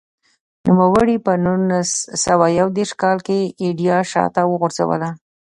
نوموړي په نولس سوه یو دېرش کال کې ایډیا شاته وغورځوله.